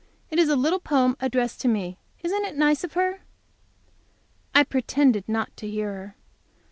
It is a little poem addressed to me. Isn't it nice of her?" I pretended not to hear her.